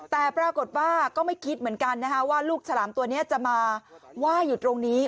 แต่ปรากฏว่าก็ไม่คิดเหมือนกันนะคะว่าลูกฉลามตัวนี้จะมาไหว้อยู่ตรงนี้